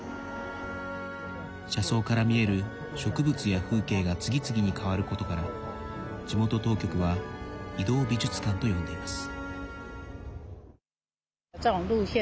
車窓から見える植物や風景が次々に変わることから地元当局は移動美術館と呼んでいます。